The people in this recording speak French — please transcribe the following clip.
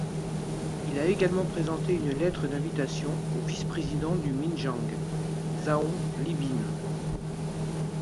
Il a également présenté une lettre d'invitation au vice-président du Minjiang, Zhao Linbin.